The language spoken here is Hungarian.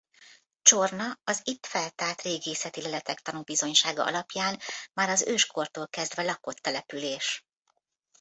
Csorna az itt feltárt régészeti leletek tanúbizonysága alapján már az őskortól kezdve lakott település.